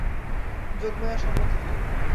যোগমায়া সম্মতি দিলেন।